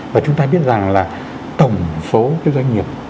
và chúng ta biết rằng là tổng số cái doanh nghiệp